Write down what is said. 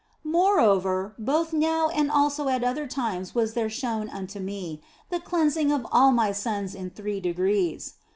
Moreover, both now and also at other times was there shown unto me the cleansing of all my sons in three degrees.